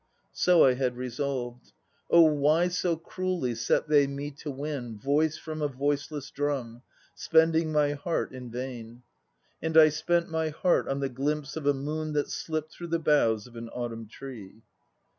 1 So I had resolved. Oh, why so cruelly Set they me to win Voice from a voiceless drum, Spending my heart in vain? And I spent my heart on the glimpse of a moon that slipped Through the boughs of an autumn tree.